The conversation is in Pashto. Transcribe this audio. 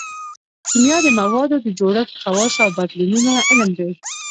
کیمیا د موادو د جوړښت خواصو او بدلونونو علم دی